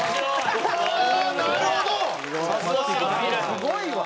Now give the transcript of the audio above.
すごいわ。